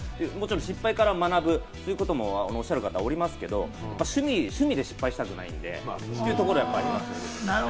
失敗から学ぶということをおっしゃる方、おりますけれど、趣味で失敗したくないのでというところはありますね。